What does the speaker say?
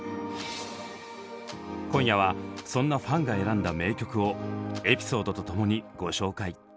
今夜はそんなファンが選んだ名曲をエピソードと共にご紹介！